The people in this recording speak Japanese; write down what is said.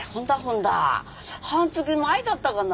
半月前だったかな？